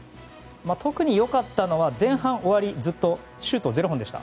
特に良かったのは前半終わりシュート０本でした。